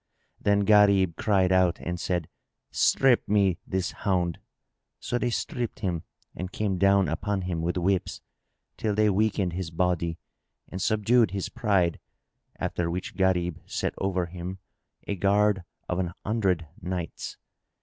Then Gharib cried out and said, "Strip me this hound!" So they stripped him and came down upon him with whips, till they weakened his body and subdued his pride, after which Gharib set over him a guard of an hundred knights.